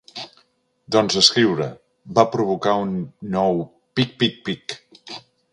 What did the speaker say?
Doncs escriure —va provocar un nou pic pic pic—.